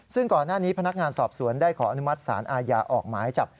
ซึ่งก่อนหน้านี้พนักงานสอบสวนได้ขออนุมัติศาลอาญาออกหมายจับ